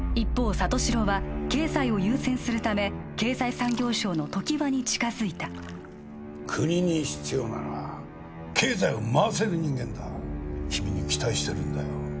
里城は経済を優先するため経済産業省の常盤に近づいた国に必要なのは経済を回せる人間だ君に期待してるんだよ